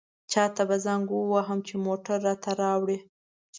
چاته به زنګ ووهم چې موټر راته راوړي.